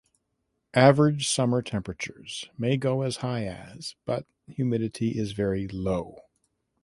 Average summer temperatures may go as high as but humidity is very low.